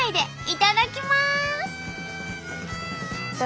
いただきます！